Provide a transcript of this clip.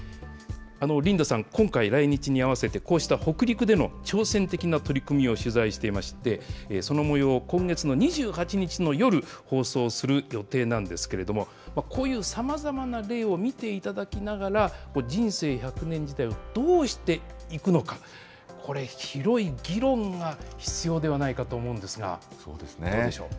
リンダさん、今回、来日に合わせて、こうした北陸での挑戦的な取り組みを取材していまして、そのもようを今月の２８日の夜、放送する予定なんですけれども、こういうさまざまな例を見ていただきながら、人生１００年時代をどうしていくのか、これ、広い議論が必要ではないかと思うんですそうですね。